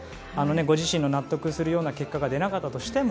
ご自身の納得するような結果が出なかったとしても